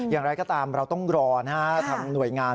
อย่างไรก็ตามเราต้องรอทางหน่วยงาน